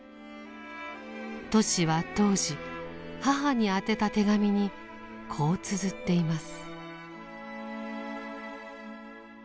トシは当時母に宛てた手紙にこうつづっています。